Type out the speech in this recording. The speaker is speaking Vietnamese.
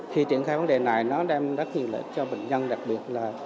thì triển khai vấn đề này nó đem rất nhiều lợi cho bệnh nhân đặc biệt là